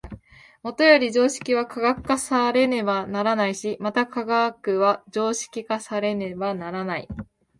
もとより常識は科学化されねばならないし、また科学は常識化されねばならない。